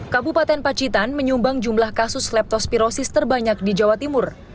kabupaten pacitan menyumbang jumlah kasus leptospirosis terbanyak di jawa timur